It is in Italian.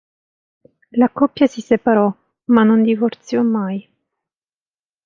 La coppia si separò ma non divorziò mai.